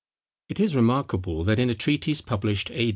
It is remarkable that in a treatise published A.